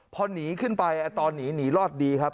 พอหนีขึ้นไปตอนหนีหนีรอดดีครับ